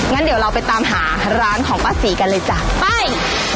งั้นเดี๋ยวเราไปตามหาร้านของป้าศรีกันเลยจ้ะไป